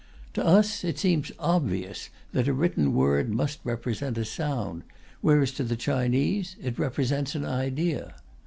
To us, it seems obvious that a written word must represent a sound, whereas to the Chinese it represents an idea.